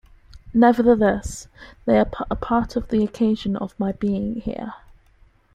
Nevertheless, they are a part of the occasion of my being here.